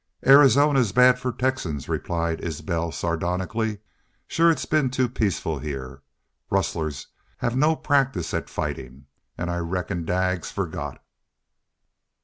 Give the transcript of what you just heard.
"Arizona is bad for Texans," replied Isbel, sardonically. "Shore it's been too peaceful heah. Rustlers have no practice at fightin'. An' I reckon Daggs forgot."